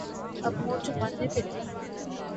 اب منہ چھپائے پھرتے ہیں۔